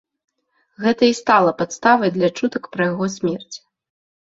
Гэта і стала падставай для чутак пра яго смерць.